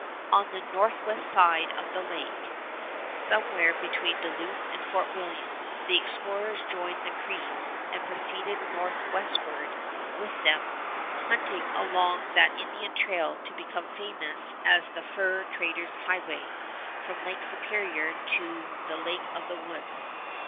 On the northwest side of the lake, somewhere between Duluth and Fort William, the explorers joined the Crees, and proceeded northwestward with them, hunting along that Indian trail to become famous as the fur traders' highway from Lake Superior to the Lake of the Woods.